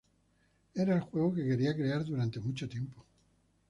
Era el juego que quería crear durante mucho tiempo.